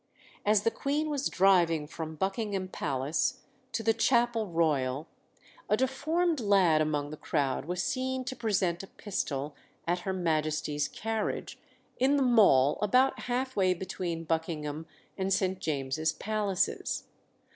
As the Queen was driving from Buckingham Palace to the Chapel Royal, a deformed lad among the crowd was seen to present a pistol at Her Majesty's carriage, in the Mall, about half way between Buckingham and St. James's Palaces.